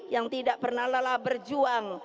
yang tidak pernah lelah berjuang